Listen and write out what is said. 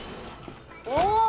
お！